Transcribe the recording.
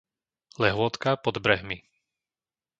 Lehôtka pod Brehmi